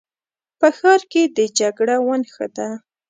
په ښار کې د جګړه ونښته.